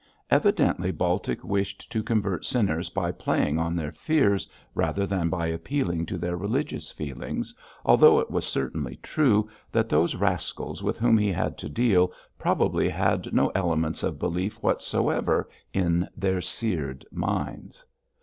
Evidently Baltic wished to convert sinners by playing on their fears rather than by appealing to their religious feelings, although it was certainly true that those rascals with whom he had to deal probably had no elements of belief whatsoever in their seared minds.